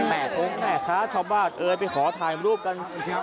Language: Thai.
แหมะท้องแหมะค้าช้าบ้านไปขอถ่ายรูปกัน